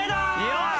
よし！